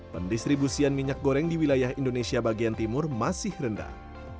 pendistribusian minyak goreng di wilayah indonesia bagian timur masih rendah